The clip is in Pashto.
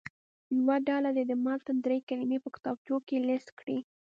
یوه ډله دې د متن دري کلمې په کتابچو کې لیست کړي.